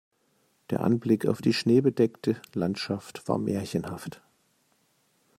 Der Anblick auf die schneebedeckte Landschaft war märchenhaft.